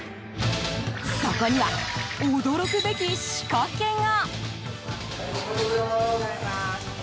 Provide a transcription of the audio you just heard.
そこには、驚くべき仕掛けが。